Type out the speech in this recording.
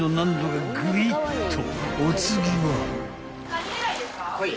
［お次は？］